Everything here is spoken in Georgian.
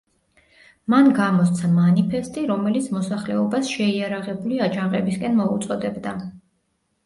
მან გამოსცა მანიფესტი, რომელიც მოსახლეობას შეიარაღებული აჯანყებისაკენ მოუწოდებდა.